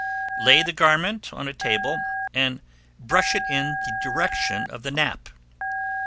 Lay the garment on a table, and brush it in the direction of the nap.